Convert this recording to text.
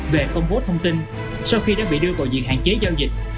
về công bố thông tin sau khi đã bị đưa vào diện hạn chế giao dịch